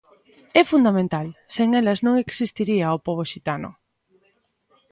É fundamental, sen elas non existiría o pobo xitano.